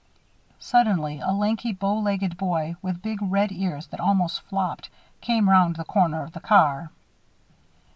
Suddenly, a lanky, bowlegged boy, with big, red ears that almost flopped, came 'round the corner of the car.